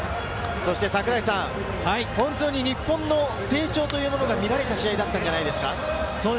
本当に日本の成長が見られた試合だったんじゃないですか？